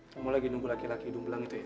kamu lagi nunggu laki laki hidung pulang itu ya